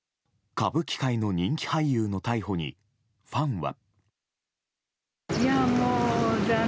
歌舞伎界の人気俳優の逮捕にファンは。